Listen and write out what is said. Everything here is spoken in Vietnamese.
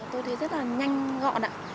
tôi thấy rất là nhanh gọn